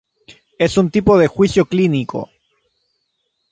Es un tipo de juicio clínico.